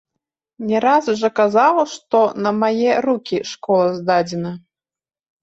Не раз жа казаў, што на мае рукі школа здадзена.